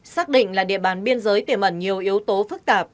xác định là địa bàn biên giới tiềm ẩn nhiều yếu tố phức tạp